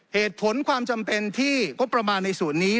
เหตุผลความจำเป็นที่งบประมาณในส่วนนี้